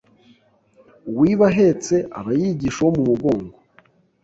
Uwiba ahetse aba yigisha uwo mu mugongo